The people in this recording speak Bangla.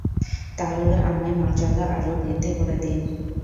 তা হলে আমায় মর্যাদা আরও বৃদ্ধি করে দিন।